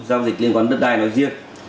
giao dịch liên quan đến đất đai nói riêng